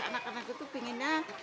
anak anak itu pengennya